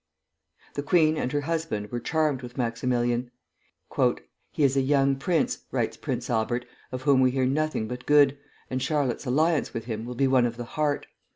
The queen and her husband were charmed with Maximilian. "He is a young prince," writes Prince Albert, "of whom we hear nothing but good, and Charlotte's alliance with him will be one of the heart.